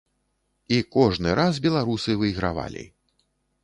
І кожны раз беларусы выйгравалі.